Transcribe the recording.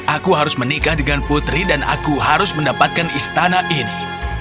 aku harus menikah dengan putri dan aku harus mendapatkan istana ini